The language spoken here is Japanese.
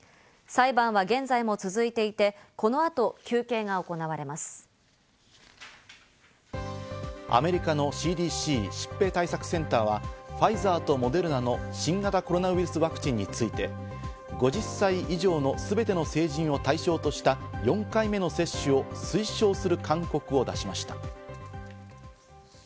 裁判は現在も続いていて、アメリカのＣＤＣ＝疾病対策センターはファイザーとモデルナの新型コロナウイルスワクチンについて、５０歳以上のすべての成人を対象とした４回目の接種を推奨する勧告を出しました。